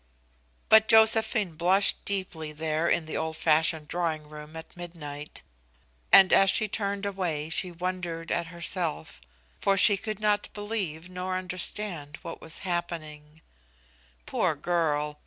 But Josephine blushed deeply there in the old fashioned drawing room at midnight, and as she turned away she wondered at herself, for she could not believe nor understand what was happening. Poor girl!